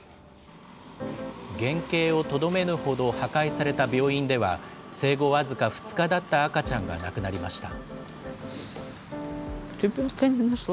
原形をとどめぬほど破壊された病院では、生後僅か２日だった赤ちゃんが亡くなりました。